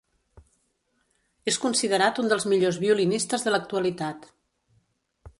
És considerat un dels millors violinistes de l'actualitat.